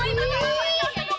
ibu tenang dulu